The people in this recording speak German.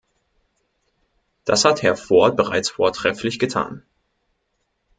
Das hat Herr Ford bereits vortrefflich getan.